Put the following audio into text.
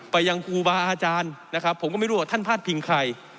ไปยังครูบาอาจารย์นะครับผมก็ไม่รู้ว่าท่านพาดพิงใคร